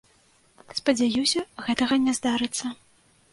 Спадзяюся, гэтага не здарыцца.